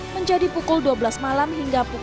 menjadi pukul dua belas malam hingga pukul